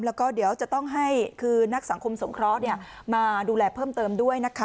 แล้วก็เดี๋ยวจะต้องให้คือนักสังคมสงเคราะห์มาดูแลเพิ่มเติมด้วยนะคะ